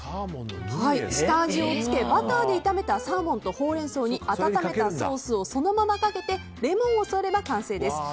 下味をつけバターで炒めたサーモンとホウレンソウに温めたソースをそのままかけてレモンを添えれば完成です。